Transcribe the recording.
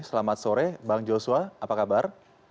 selamat sore bang joshua apa kabar